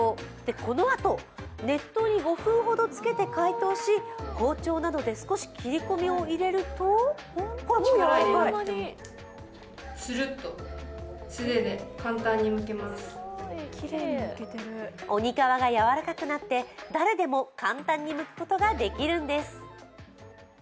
このあと熱湯に５分ほどつけて解凍し包丁などで少し切り込みを入れると鬼皮がやわらかくなって誰でも簡単にむくことができるんです。